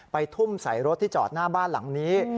ทุ่มใส่รถที่จอดหน้าบ้านหลังนี้